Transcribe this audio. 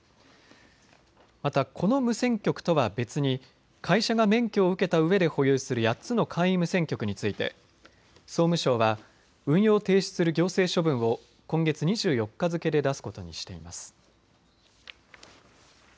また、この無線局とは別に会社が免許を受けたうえで保有する８つの簡易無線局について総務省は運用を停止する行政処分を今月２４日付けで出すことにしています。